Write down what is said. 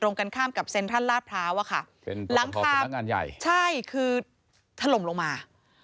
ตรงกันข้ามกับเซ็นทรัศน์ราชพราวะค่ะหลังคาใช่คือถล่มลงมา